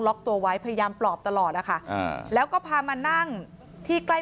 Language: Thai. ตัวไว้พยายามปลอบตลอดนะคะอ่าแล้วก็พามานั่งที่ใกล้